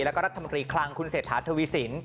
และกรรภมศรีครังคุณเศษฐาธาวิสิน